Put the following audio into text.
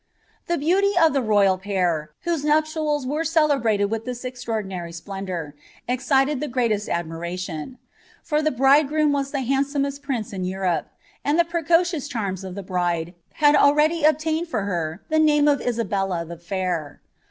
The beauty of the royaJ pair, whose nnpiiala were celebrated with &a exiniordinary splendour, excited the greatest odmiralion ; for the bride groom was ihe handsomest prince in Europe, and the precocious chanu of the bride hail already obtained for her the name of Isabella the Fsit.'